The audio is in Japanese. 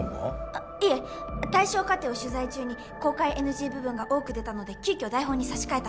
あっいえ対象家庭を取材中に公開ＮＧ部分が多く出たので急きょ台本に差し替えた。